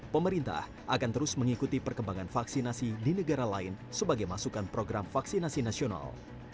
pemerintah akan terus mengikuti perkembangan vaksinasi di negara lain sebagai masukan program vaksinasi nasional